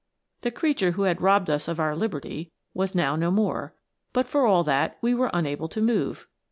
The creature who had robbed us of our liberty was now no more, but for all that we were unable to move.